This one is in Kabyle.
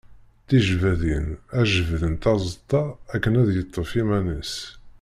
Tijebbadin, ad jebdent aẓeṭṭa akken ad yeṭṭef iman-is.